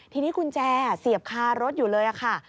ทีนี้กุญแจเสียบคารถอยู่เลยค่ะ